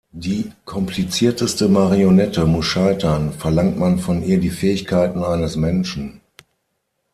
Die komplizierteste Marionette muss scheitern, verlangt man von ihr die Fähigkeiten eines Menschen.